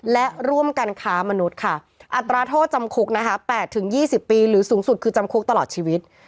และร่วมกันค้ามนุษย์ค่ะอัตราโทษจำคุกนะคะ๘๒๐ปีหรือสูงสุดคือจำคุกตลอดชีวิต